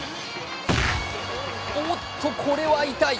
おっと、これは痛い。